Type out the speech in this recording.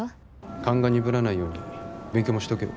勘が鈍らないように勉強もしとけよ。